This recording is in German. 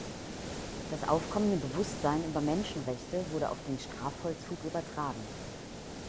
Das aufkommende Bewusstsein über Menschenrechte wurde auf den Strafvollzug übertragen.